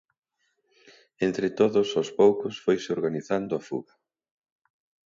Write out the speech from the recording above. Entre todos, aos poucos, foise organizando a fuga.